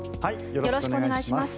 よろしくお願いします。